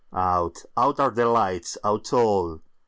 Out—out are the lights—out all!